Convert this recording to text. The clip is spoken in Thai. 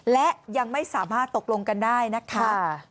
และยังไม่สามารถตกลงกันได้นะคะ